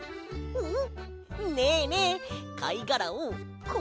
うん！